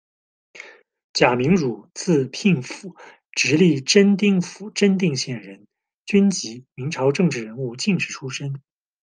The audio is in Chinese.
贾名儒，字聘甫，直隶真定府真定县人，军籍，明朝政治人物、进士出身。